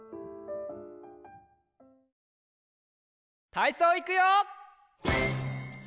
たいそういくよ！